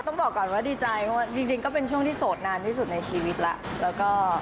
ต้องบอกก่อนว่าดีใจเพราะว่าจริงก็เป็นช่วงที่โสดนานที่สุดในชีวิตแล้วแล้วก็